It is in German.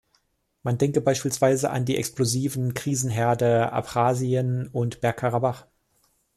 Man denke beispielsweise an die explosiven Krisenherde Abchasien und Berg-Karabach.